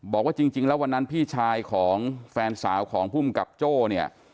บอกว่าจริงแล้ววันนั้นพี่ชายของแฟนสาวของภูมิกับโจ้เนี่ย